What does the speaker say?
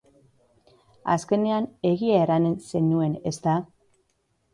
Azkenean egia erranen zenuen, ezta?